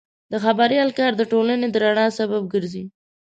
د خبریال کار د ټولنې د رڼا سبب ګرځي.